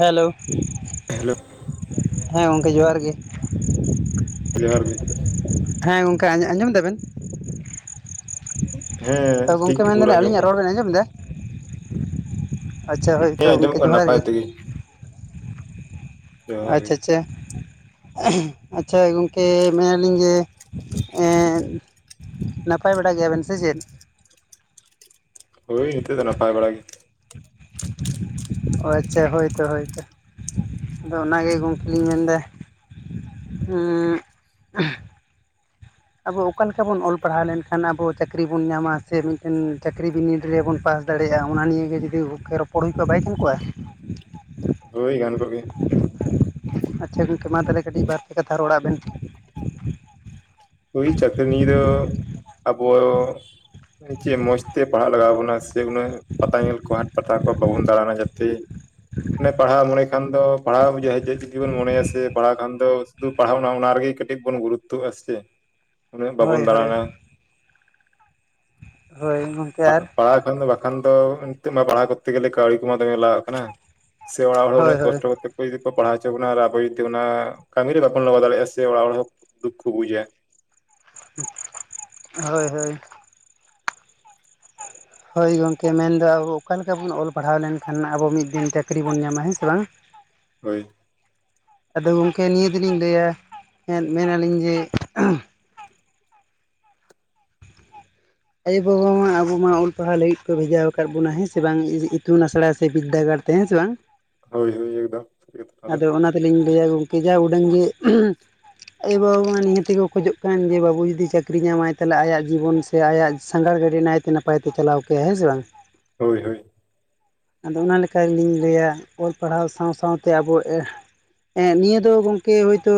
Hello. Hello. ᱦᱮᱸ ᱜᱚᱢᱠᱮ ᱡᱚᱦᱟᱨ ᱜᱮ ᱾ ᱦᱮᱸ ᱡᱚᱦᱟᱨ ᱜᱮ ᱾ ᱦᱮᱸ ᱜᱚᱢᱠᱮ ᱟᱸᱡᱚᱢ ᱫᱟᱵᱮᱱ? ᱦᱮᱸ ᱴᱷᱤᱠ ᱜᱚᱢᱠᱮ ᱜᱮ ᱢᱮᱱ ᱯᱩᱨᱟᱹ ᱫᱟᱞᱤᱧ ᱫᱟᱞᱤᱧ ᱟᱸᱡᱚᱢᱚᱜ ᱟᱹᱞᱤᱧᱟᱜ ᱠᱟᱱᱟ ᱨᱚᱲ ᱵᱮᱱ ᱟᱸᱡᱚᱢ ᱮᱫᱟ? ᱟᱪᱪᱷᱟ ᱦᱳᱭ ᱦᱮᱸ ᱛᱚ ᱜᱚᱝᱠᱮ ᱟᱸᱡᱚᱢᱚᱜ ᱠᱟᱱᱟ ᱡᱚᱦᱟᱨ ᱱᱟᱯᱟᱭ ᱜᱮ᱾ ᱛᱮᱜᱤ ᱾ ᱟᱪᱷᱟ ᱟᱪᱷᱟ᱾ ᱟᱪᱷᱟ, ᱜᱚᱢᱠᱮ ᱢᱮᱱ ᱟᱹᱞᱤᱧ ᱡᱮ? ᱮᱸᱫ ᱱᱟᱯᱟᱭ ᱵᱟᱲᱟ ᱜᱮᱭᱟ ᱵᱮᱱ ᱥᱮ ᱪᱮᱫ? ᱦᱳᱭ ᱱᱤᱸᱛᱳᱜ ᱫᱚ ᱱᱟᱯᱟᱭ ᱵᱟᱲᱟ ᱜᱮ ᱾ ᱚ ᱟᱪᱷᱟ ᱦᱳᱭ ᱛᱚ ᱦᱳᱭ ᱛᱚ᱾ ᱟᱫᱚ ᱚᱱᱟ ᱜᱮ ᱜᱚᱢᱠᱮ ᱞᱤᱧ ᱢᱮᱱᱫᱟ᱾ ᱟᱵᱚ ᱚᱠᱟ ᱞᱮᱠᱟ ᱵᱚᱱ ᱚᱞ ᱯᱟᱲᱦᱟᱣ ᱞᱮᱱ ᱠᱷᱟᱱ ᱟᱵᱚ ᱪᱟᱹᱠᱨᱤ ᱵᱚᱱ ᱧᱟᱢᱟ? ᱥᱮ ᱢᱤᱫᱴᱮᱱ ᱪᱟᱹᱠᱨᱤ ᱵᱤᱱᱤᱰ ᱨᱮ ᱵᱚᱱ ᱯᱟᱥ ᱾ ᱫᱟᱲᱮ ᱭᱟᱜᱼᱟ, ᱚᱱᱟ ᱱᱤᱭᱮ ᱡᱩᱫᱤ ᱜᱚᱢᱠᱮ ᱨᱚᱯᱚᱲ ᱦᱩᱭ ᱠᱚᱜᱼᱟ ᱵᱟᱭ ᱜᱟᱱ ᱠᱚᱜᱼᱟ? ᱦᱳᱭ ᱜᱟᱱ ᱠᱚᱜ ᱜᱮᱭᱟ ᱾ ᱟᱪᱷᱟ ᱜᱚᱢᱠᱮ ᱢᱟ ᱛᱟᱞᱦᱮ ᱠᱟᱹᱴᱤᱡ ᱵᱟᱨ ᱯᱮ ᱠᱟᱛᱷᱟ ᱨᱚᱲᱟᱜ ᱵᱮᱱ ᱾ ᱦᱳᱭ, ᱪᱟᱹᱠᱨᱤ ᱱᱤᱭᱮ ᱫᱚ ᱟᱵᱚ ᱪᱮᱫ ᱢᱚᱸᱡᱽ ᱛᱮ ᱯᱟᱲᱦᱟᱜ ᱞᱟᱜᱟ ᱟᱵᱱᱟ᱾ ᱵᱚᱱᱟ ᱥᱮ ᱩᱱᱟᱹᱜ ᱯᱟᱛᱟ ᱧᱮᱞ ᱠᱚ ᱦᱟᱴ ᱯᱟᱛᱟ ᱠᱚ ᱵᱟᱵᱚᱱ ᱫᱟᱬᱟᱱᱟ ᱡᱟᱛᱮ᱾ ᱢᱟᱱᱮ ᱯᱟᱲᱦᱟᱣ ᱢᱚᱱᱮ ᱠᱷᱟᱱ ᱫᱚ ᱯᱟᱲᱦᱟᱣ ᱵᱩᱡᱷᱟᱹᱜᱼᱟ [unintelligible] ᱡᱩᱫᱤ ᱵᱮᱱ ᱢᱚᱱᱮᱭᱟ ᱥᱮ ᱯᱟᱲᱦᱟᱣ ᱠᱷᱟᱱ ᱫᱚ ᱥᱩᱫᱷᱩ ᱯᱟᱲᱦᱟᱣ ᱚᱱᱟ ᱚᱱᱟ ᱨᱮᱜᱮ ᱠᱟᱹᱴᱤᱡ ᱵᱚᱱ ᱜᱩᱨᱩᱛᱛᱚ ᱟᱜ-ᱟ ᱥᱮ ᱪᱮᱫ᱾ ᱩᱱᱟᱹᱜ ᱦᱳᱭ ᱵᱟᱵᱚᱱ ᱦᱳᱭ ᱫᱟᱬᱟᱱᱟ, ᱦᱳᱭ ᱜᱚᱝᱠᱮ ᱟᱨ ᱯᱟᱲᱦᱟᱣ ᱠᱷᱚᱱ ᱫᱚ ᱵᱟ ᱵᱟᱠᱷᱟᱱ ᱫᱚ ᱱᱤᱛᱚᱜ ᱢᱟ ᱯᱟᱲᱦᱟᱣ ᱠᱚᱨᱛᱮ ᱜᱮᱞᱮ ᱠᱟᱹᱣᱤ ᱠᱚᱢᱟ ᱫᱚᱢᱮ ᱞᱟᱜᱟᱜ ᱠᱟᱱᱟ, ᱥᱮ ᱚᱲᱟᱜ ᱦᱚᱲ ᱦᱚᱸ ᱦᱳᱭ ᱩᱱᱟᱹᱜ ᱦᱳᱭ ᱠᱚᱥᱴᱚ ᱠᱟᱛᱮᱜ ᱟᱠᱚ ᱡᱩᱫᱤ ᱠᱚ ᱯᱟᱲᱦᱟᱣ ᱚᱪᱚ ᱵᱚᱱᱟ ᱟᱨ ᱟᱵᱚ ᱡᱩᱫᱤ ᱚᱱᱟ ᱠᱟᱹᱢᱤ ᱨᱮ ᱵᱟᱵᱚᱱ ᱞᱟᱜᱟᱣ ᱫᱟᱲᱮᱭᱟᱜᱼᱟ, ᱥᱮ ᱪᱮ ᱚᱲᱟᱜ ᱦᱚᱲ ᱦᱚᱸ ᱫᱩᱠ ᱠᱚ ᱵᱩᱡᱟ᱾ ᱦᱳᱭ ᱦᱳᱭ᱾ [inaudible] ᱦᱳᱭ ᱜᱚᱝᱠᱮ ᱢᱮᱱᱫᱚ ᱟᱵᱚ ᱚᱠᱟ ᱞᱮᱠᱟ ᱵᱚᱱ ᱚᱞ ᱯᱟᱲᱦᱟᱣ ᱞᱮᱱᱠᱷᱟᱱ ᱱᱟᱜ ᱟᱵᱚ ᱢᱤᱫ ᱫᱤᱱ ᱪᱟᱹᱠᱨᱤ ᱵᱚᱱ ᱧᱟᱢᱟ, ᱦᱮᱸ ᱥᱮ ᱵᱟᱝ? [inaudible] ᱦᱳᱭ᱾ ᱟᱫᱚ ᱜᱚᱝᱠᱮ ᱱᱤᱭᱟᱹ ᱫᱚ ᱞᱤᱧ ᱞᱟᱹᱭᱟ ᱮᱸᱫ ᱢᱮᱱ ᱟᱞᱤᱧ ᱡᱮ ᱟᱭᱳ ᱵᱟᱵᱟ ᱢᱟ ᱟᱵᱚ ᱢᱟ ᱚᱞ ᱯᱟᱲᱦᱟᱣ ᱞᱟᱹᱜᱤᱫ ᱠᱚ ᱵᱷᱮᱡᱟᱣ ᱟᱠᱟᱫ ᱵᱚᱱᱟ ᱦᱮᱸ ᱥᱮ ᱵᱟᱝ ᱤ-ᱤᱛᱩᱱ ᱟᱥᱲᱟ ᱥᱮ ᱵᱤᱫᱫᱟᱹᱜᱟᱲ᱾ ᱛᱮ ᱦᱮᱸ ᱥᱮ ᱵᱟᱝ᱾ ᱦᱳᱭ ᱦᱳᱭ, ᱮᱫᱚᱢ [unintelligible] ᱟᱹᱞᱤᱧ ᱞᱟᱹᱭᱟ ᱜᱚᱝᱠᱮ ᱡᱟ ᱩᱰᱟᱹᱝ ᱜᱮ ᱟᱭᱩ ᱵᱟᱵᱟ ᱢᱟ ᱱᱤᱦᱟᱹᱛᱤ ᱠᱚ ᱠᱷᱚᱡᱚᱜ ᱠᱟᱱ ᱡᱮ, ᱵᱟᱹᱵᱩ ᱡᱩᱫᱤ ᱪᱟᱹᱠᱨᱤ ᱧᱟᱢᱟᱭ ᱛᱟᱦᱞᱮ ᱟᱭᱟᱜ ᱡᱤᱵᱚᱱ ᱥᱮ ᱟᱭᱟᱜ ᱥᱟᱸᱜᱷᱟᱲ ᱜᱟᱹᱰᱤ ᱱᱟᱭᱛᱮ ᱱᱟᱯᱟᱭ ᱛᱮ ᱪᱟᱞᱟᱣ ᱠᱟᱭᱟᱭ, ᱦᱮᱸ ᱥᱮ ᱵᱟᱝ? ᱦᱳᱭ ᱦᱳᱭ᱾ ᱟᱫᱚ ᱚᱱᱟ ᱞᱮᱠᱟ ᱜᱮ ᱞᱤᱧ ᱞᱟᱹᱭᱟ ᱚᱞ ᱯᱟᱲᱦᱟᱣ ᱥᱟᱶ ᱥᱟᱶᱛᱮ ᱟᱵᱚ ᱮᱦ ᱮ ᱱᱤᱭᱟᱹ ᱫᱚ ᱜᱚᱝᱠᱮ ᱦᱳᱭᱛᱳ